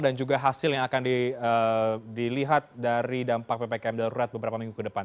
dan juga hasil yang akan dilihat dari dampak ppkm darurat beberapa minggu ke depan